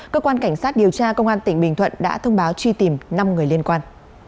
cơ quan cảnh sát điều tra công an tỉnh bình thuận đã thông báo truy tìm năm người liên quan